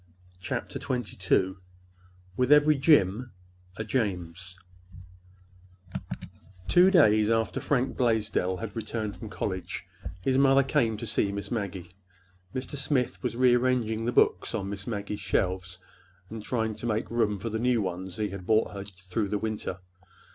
CHAPTER XXII WITH EVERY JIM A JAMES Two days after Fred Blaisdell had returned from college, his mother came to see Miss Maggie. Mr. Smith was rearranging the books on Miss Maggie's shelves and trying to make room for the new ones he had brought her through the winter.